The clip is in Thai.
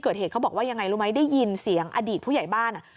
เกิดเหตุเขาบอกว่ายังไงรู้ไหมได้ยินเสียงอดีตผู้ใหญ่บ้านอ่ะ